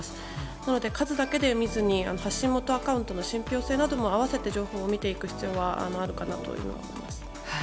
なので、数だけで見ずに発信元アカウントの信憑性なども合わせて情報を見ていく必要があるかなと思います。